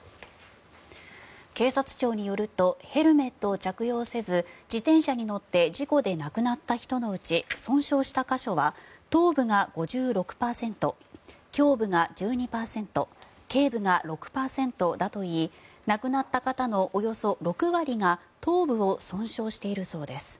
警察庁によるとヘルメットを着用せず自転車に乗って事故で亡くなった人のうち損傷した箇所は頭部が５６％胸部が１２％頸部が６％だといい亡くなった方のおよそ６割が頭部を損傷しているそうです。